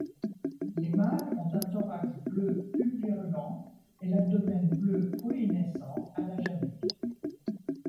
Les mâles ont un thorax bleu pulvérulent et l'abdomen bleu pruinescent à l'âge adulte.